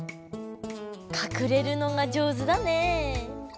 かくれるのがじょうずだね。